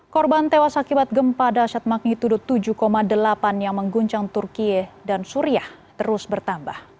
korban tewas akibat gempa dasyat magnitudo tujuh delapan yang mengguncang turkiye dan suriah terus bertambah